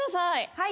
はい。